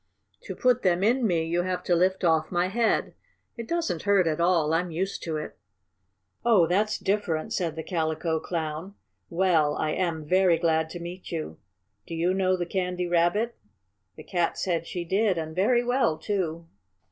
To put them in me you have to lift off my head. It doesn't hurt at all I'm used to it." "Oh, that's different," said the Calico Clown. "Well, I am very glad to meet you. Do you know the Candy Rabbit?" The Cat said she did, and very well, too.